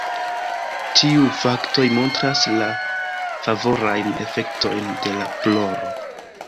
Tiuj faktoj montras la favorajn efektojn de la ploro.